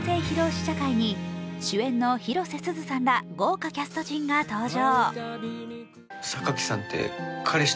試写会に主演の広瀬すずさんら豪華キャスト陣が登場。